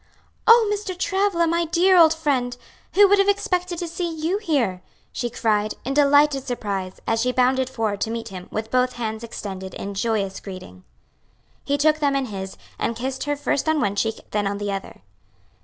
"Oh, Mr. Travilla, my dear old friend! who would have expected to see you here?" she cried, in delighted surprise, as she bounded forward to meet him, with both hands extended in joyous greeting. He took them in his, and kissed her first on one cheek, then on the other.